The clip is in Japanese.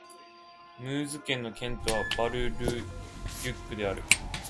ムーズ県の県都はバル＝ル＝デュックである